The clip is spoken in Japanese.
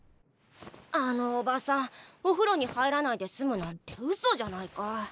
あのおばさんおふろに入らないで済むなんてうそじゃないか。